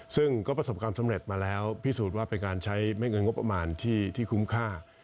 ซึ่งก็ประสบความสำเร็จมาแล้วพิสูจน์ว่าเป็นการใช้ไม่เงินงบประมาณที่คุ้มค่า